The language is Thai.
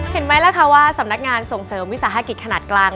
เห็นไหมล่ะค่ะว่าสำนักงานส่งเสริมวิสาหกิจขนาดกลาง